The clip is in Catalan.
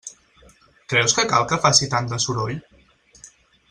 Creus que cal que faci tant de soroll?